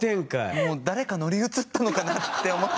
もう誰か乗り移ったのかなって思って。